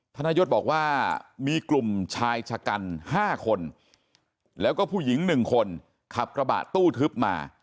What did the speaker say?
ธนายศบอกว่ามีกลุ่มชายชะกัน๕คนแล้วก็ผู้หญิง๑คนขับกระบะตู้ทึบมา